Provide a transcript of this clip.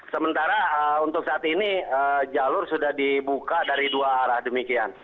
sementara untuk saat ini jalur sudah dibuka dari dua arah demikian